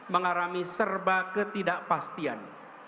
mengalami serba ketidakpastian